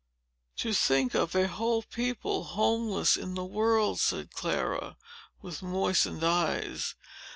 "To think of a whole people, homeless in the world!" said Clara, with moistened eyes.